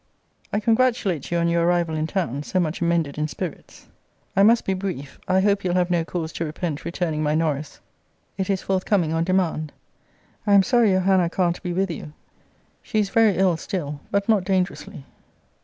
I congratulate you on your arrival in town, so much amended in spirits. I must be brief. I hope you'll have no cause to repent returning my Norris. It is forthcoming on demand. I am sorry your Hannah can't be with you. She is very ill still; but not dangerously.